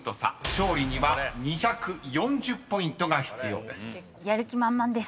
［勝利には２４０ポイントが必要です］